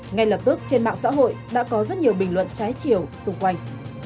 ngay lập tức trên mạng xã hội đã có rất nhiều bình luận trái chiều xung quanh